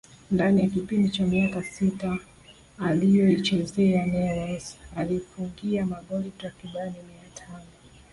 Ndani ya kipindi cha miaka sita aliyoichezea Newells aliifungia magoli takribani mia tano